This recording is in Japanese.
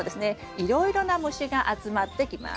いろいろな虫が集まってきます。